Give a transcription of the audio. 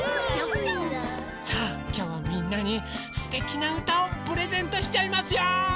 さあきょうはみんなにすてきなうたをプレゼントしちゃいますよ！